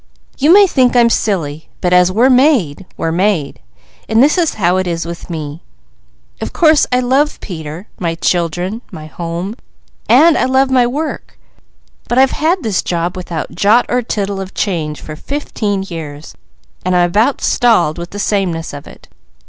You may think I'm silly; but as we're made, we're made, and this is how it is with me: of course I love Peter, my children, my home, and I love my work; but I've had this job without 'jot or tittle' of change for fifteen years, and I'm about stalled with the sameness of it.